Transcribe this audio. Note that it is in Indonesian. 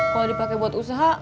kalau dipake buat usaha